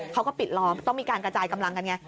เขาก็ปิดล้อมต้องมีการกระจายกำลังกันไง